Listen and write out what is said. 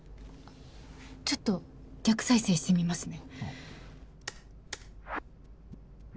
ちょっと逆再生してみますね。